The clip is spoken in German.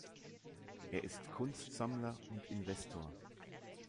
Er ist Kunstsammler und Investor.